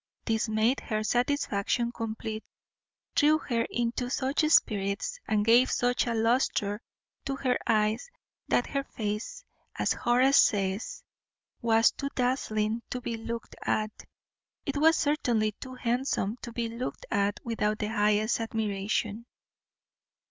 This made her satisfaction complete, threw her into such spirits, and gave such a lustre to her eyes, that her face, as Horace says, was too dazzling to be looked at; it was certainly too handsome to be looked at without the highest admiration.